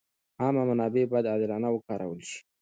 عامه منابع باید عادلانه وکارول شي.